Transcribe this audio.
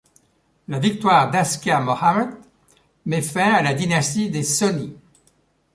La victoire d'Askia Mohammad met fin à la dynastie des Sonni.